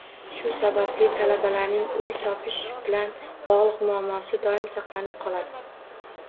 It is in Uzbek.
Shu sababli talabalarning uy topish bilan bogʻliq muammosi doim saqlanib qoladi.